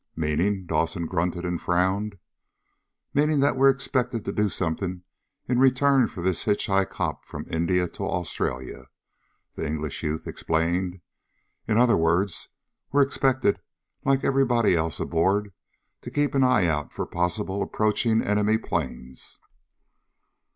"Meaning?" Dawson grunted and frowned. "Meaning that we're expected to do something in return for this hitch hike hop from India to Australia," the English youth explained. "In other words, we are expected, like everybody else aboard, to keep an eye out for possible approaching enemy planes."